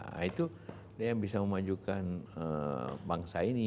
nah itu yang bisa memajukan bangsa ini